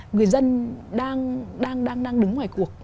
người dân đang đứng ngoài cuộc